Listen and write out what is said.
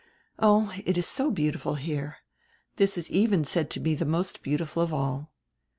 Oh, it is so beautiful here. This is even said to be die most beautiful of all.